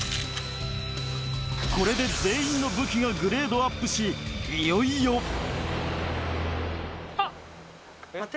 これで全員の武器がグレードアップしいよいよあっ！